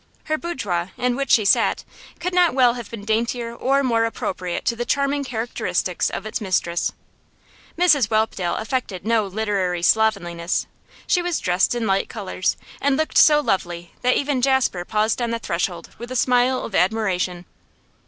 Her boudoir, in which she sat, could not well have been daintier and more appropriate to the charming characteristics of its mistress. Mrs Whelpdale affected no literary slovenliness; she was dressed in light colours, and looked so lovely that even Jasper paused on the threshold with a smile of admiration.